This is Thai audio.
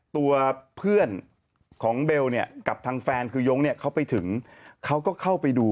ตัวเพื่อนของเบลเนี่ยกับทางแฟนคือยงเนี่ยเขาไปถึงเขาก็เข้าไปดู